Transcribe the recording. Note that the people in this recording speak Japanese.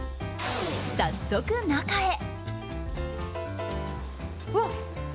早速、中へ。